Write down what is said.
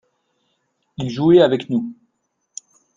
il jouait avec nous.